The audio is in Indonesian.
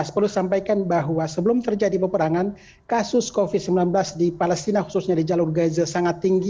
perlu sampaikan bahwa sebelum terjadi peperangan kasus covid sembilan belas di palestina khususnya di jalur gaza sangat tinggi